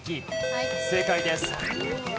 正解です。